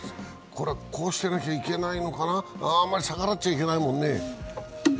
これはこうしてなきゃいけないのかなってあんまり逆らっちゃいけないもんね。